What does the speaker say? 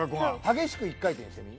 激しく１回転してみ。